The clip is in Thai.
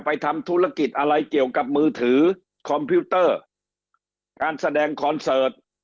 ทำธุรกิจอะไรเกี่ยวกับมือถือคอมพิวเตอร์การแสดงคอนเสิร์ต